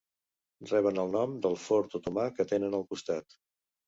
Reben el nom del fort otomà que tenen al costat.